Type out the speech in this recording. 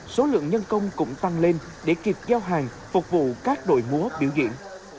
số lượng nhân công cũng tăng lên để kịp giao hàng phục vụ các đội múa biểu diễn